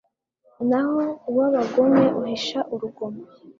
naho uw’abagome uhisha urugomo